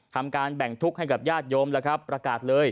ทำการแบ่งทุกข์ให้กับญาติโยมประกาศ